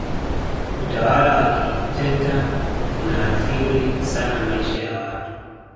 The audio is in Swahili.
utawala wa kidikiteta unaathiri sana maisha ya watu